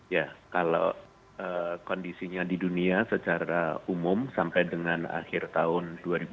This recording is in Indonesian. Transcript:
ya kalau kondisinya di dunia secara umum sampai dengan akhir tahun dua ribu dua puluh